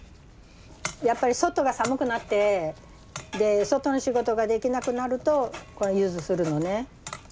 やっぱり外が寒くなってで外の仕事ができなくなるとこれゆずするのね。